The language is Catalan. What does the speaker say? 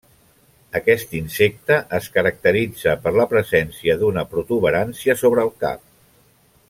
Aquest insecte es caracteritza per la presència d'una protuberància sobre el cap.